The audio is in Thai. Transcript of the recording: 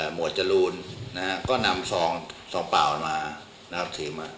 หมวดจรูนก็นำซองเปล่ามาถือมา